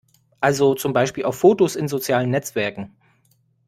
Also zum Beispiel auf Fotos in sozialen Netzwerken.